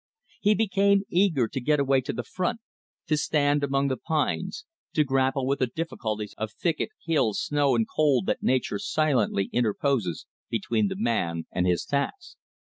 He became eager to get away to the front, to stand among the pines, to grapple with the difficulties of thicket, hill, snow, and cold that nature silently interposes between the man and his task.